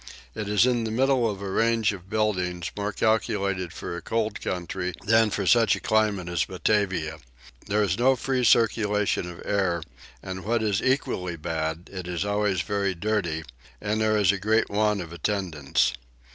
It is in the middle of a range of buildings more calculated for a cold country than for such a climate as Batavia. There is no free circulation of air and what is equally bad it is always very dirty; and there is great want of attendance.